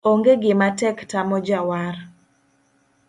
Onge gimatek tamo jawar.